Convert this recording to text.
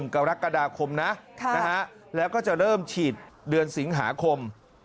กรกฎาคมนะแล้วก็จะเริ่มฉีดเดือนสิงหาคม